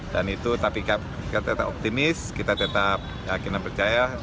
dan itu tapi kita tetap optimis kita tetap yakin dan percaya